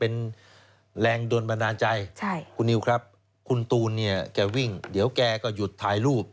เป็นแรงโดนบันดาลใจใช่คุณนิวครับคุณตูนเนี่ยแกวิ่งเดี๋ยวแกก็หยุดถ่ายรูป